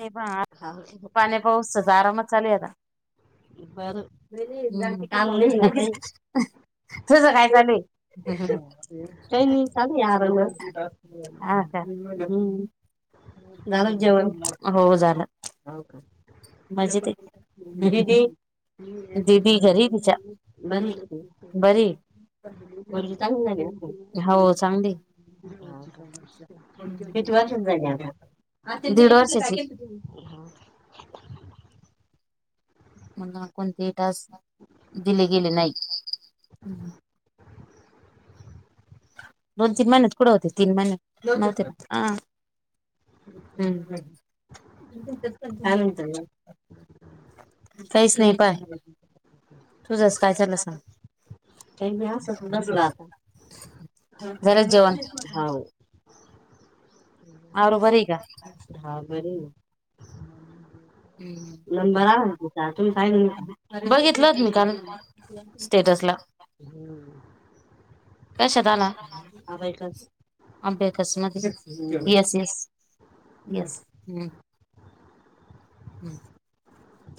नाही ब [unintelligible] आता, पाण्या पाऊसच आरामच चालू हे आता. बर नाही का त काय [unintelligible] काही नाही चालूय आरामच. झालं का जेवन? [unintelligible] बरी बरी [unintelligible] [unintelligible] किती वर्षा ची झाली आता? आते दिड- [unintelligible] [unintelligible] दोन, तीन महिनेच पुढ होत, तीन महिन्यात नवते का? हा, हम्म. [unintelligible] काहीच नाही पाय, तूझच काय चालू सांग? [unintelligible] आरु बरी हाय का? हा, बरीय. [unintelligible] स्टेटसला हा [unintelligible] कसं काय भेटस [unintelligible] [inaudible] [inaudible]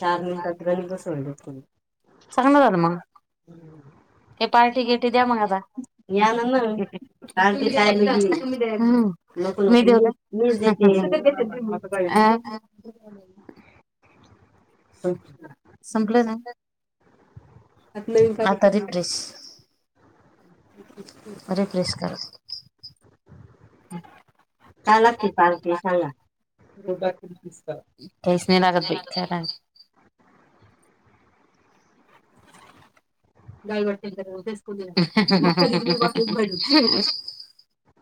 चार मिनिटात गणी [unintelligible] बसवून घेतली, चांगलय मग. [inaudible] ये पार्टी बिरटी त्या मग या ना मग पार्टी काही नाही [unintelligible] नको, नको, मीच देते. [unintelligible] [unintelligible] म्हटलं. आता रिप्रेश [unintelligible] रिप्रेस करा. [unintelligible] ठी कालते सांगा. काहीच नाही लागत बाई काय पाहिजे [unintelligible] [inaudible] दाल वाटी तेचून मत वाट झाड [unintelligible]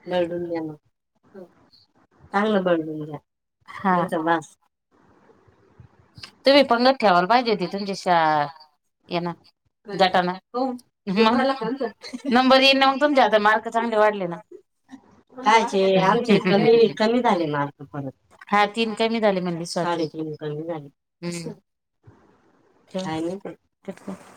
दगडून झालं [unintelligible] चांगलं बटबा [unintelligible] तुम्ही पंगत ठेवा, पाहिजे त तुमच्या [unintelligible] येनाच. [unintelligible] नंबर येईन नाही मग तुमच्या आता मार्क चांगले वाढले ना. [inaudible] कायचे आमचे कमी, कमी झाले मार्क परत तीन, तीन, साडे तीन. कमी झाले. काही नाही [unintelligible]